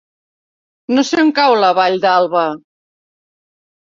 No sé on cau la Vall d'Alba.